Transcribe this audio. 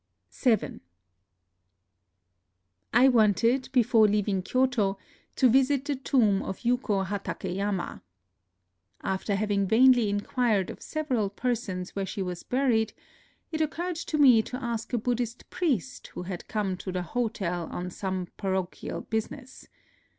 VII I wanted, before leaving Kyoto, to visit the tomb of Yuko Hatakeyama. After having vainly inquired of several persons where she was buried, it occurred to me to ask a Bud dhist priest who had come to the hotel on NOTES OF A TRIP TO KYOTO 73 some parochial business.